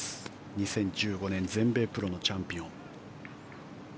２０１５年全米プロのチャンピオン。